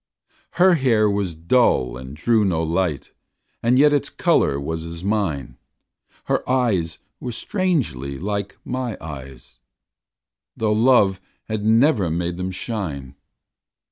Her hair was dull and drew no light, And yet its color was as mine; Her eyes were strangely like my eyes, Tho' love had never made them shine.